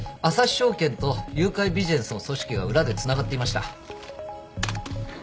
証券と誘拐ビジネスの組織が裏でつながっていました。